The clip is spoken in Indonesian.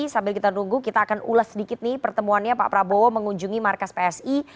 sambil kita nunggu kita akan ulas sedikit nih pertemuannya pak prabowo mengunjungi markas psi